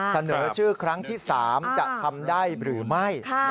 เสนอชื่อครั้งที่๓จะทำได้หรือไม่